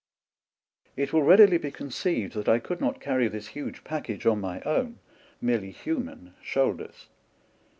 It will readily be conceived that I could not carry this huge package on my own, merely human, shoulders.